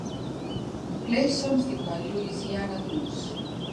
Play something by Louisiana Blues